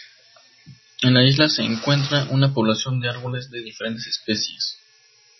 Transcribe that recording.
En la isla se encuentra una población de árboles de diferentes especies.